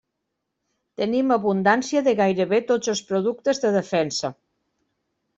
Tenim abundància de gairebé tots els productes de defensa.